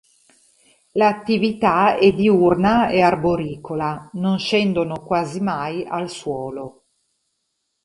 L'attività è diurna e arboricola: non scendono quasi mai al suolo.